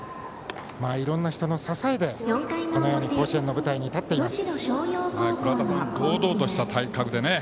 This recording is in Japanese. いろんな人の支えで甲子園の舞台に立っています。